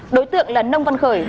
đối tượng là nông văn khởi